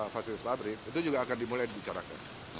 fasilitas pabrik itu juga akan dimulai dibicarakan